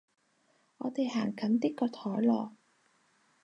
我哋行近啲個台囉